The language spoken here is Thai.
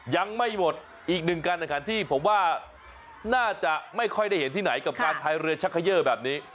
ยังไม่หมดอีกหนึ่งการแข่งขันที่ผมว่าน่าจะไม่ค่อยได้เห็นที่ไหนกับการพายเรือชักเขย่อแบบนี้